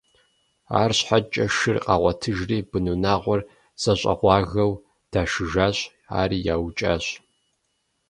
Арщхьэкӏэ шыр къагъуэтыжри, бынунагъуэр зэщӏэгъуагэу дашыжащ, ари яукӏащ.